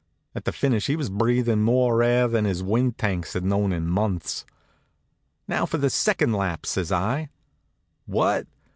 At the finish he was breathin' more air than his wind tanks had known in months. "Now for the second lap," says I. "What?